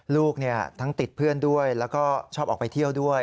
ลูกทั้งติดเพื่อนด้วยแล้วก็ชอบออกไปเที่ยวด้วย